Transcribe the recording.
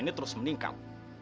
dia terus melingkah